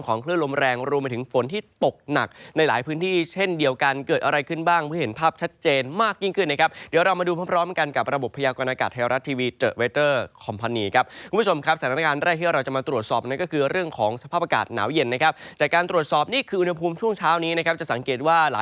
เกิดอะไรขึ้นบ้างเพื่อเห็นภาพชัดเจนมากยิ่งขึ้นนะครับเดี๋ยวเรามาดูพร้อมกันกับระบบพยากรณากาศไทยรัฐทีวีเจอเวเตอร์คอมพาเนี่ยครับคุณผู้ชมครับสถานการณ์แรกที่เราจะมาตรวจสอบนั้นก็คือเรื่องของสภาพอากาศหนาวเย็นนะครับจากการตรวจสอบนี้คืออุณหภูมิช่วงเช้านี้นะครับจะสังเกตว